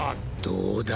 どうだ？